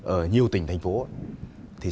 ở nhiều tỉnh thành phố